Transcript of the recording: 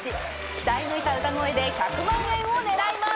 鍛え抜いた歌声で１００万円を狙います。